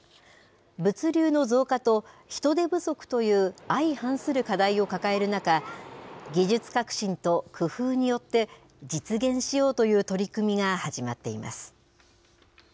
物流の増加と、人手不足という相反する課題を抱える中、技術革新と工夫によって、実現しようという取り組みが始まっています。